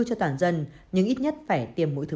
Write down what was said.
cho toàn dân nhưng ít nhất phải tiêm mũi thứ ba